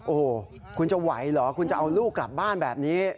โอ้โหคุณจะไหวเหรอคุณจะเอาลูกกลับบ้านแบบนี้